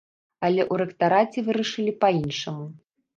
Але ў рэктараце вырашылі па-іншаму.